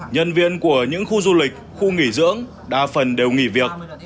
nhân viên của những khu du lịch khu nghỉ dưỡng đa phần đều nghỉ việc